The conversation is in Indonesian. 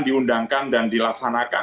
diundangkan dan dilaksanakan